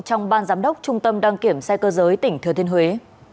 trong ban giám đốc trung tâm đăng kiểm xe cơ giới tỉnh thừa thiên huế